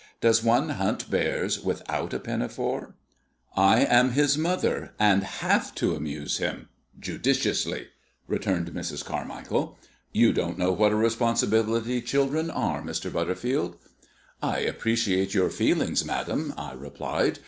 Does one hunt bears without a pinafore?" "I am his mother, and have to amuse him judiciously!" returned Mrs. Carmichael. "You don't know what a responsibility children are, Mr. Butterfield." "I appreciate your feelings, madam," I replied.